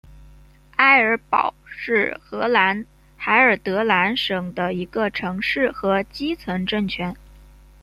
埃尔堡是荷兰海尔德兰省的一个城市和基层政权。